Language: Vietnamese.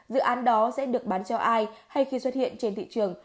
dự án đó sẽ được bán cho ai hay khi xuất hiện trên thị trường